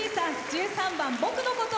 １３番「僕のこと」